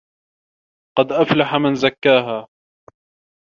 قَد أَفلَحَ مَن زَكّاها